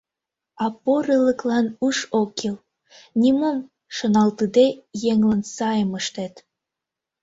А порылыклан уш ок кӱл: нимом шоналтыде, еҥлан сайым ыштет.